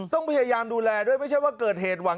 ต้องพยายามดูแลด้วยไม่ใช่ว่าเกิดเหตุหวัง